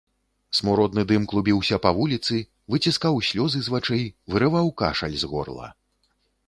Смуродны дым клубіўся па вуліцы, выціскаў слёзы з вачэй, вырываў кашаль з горла.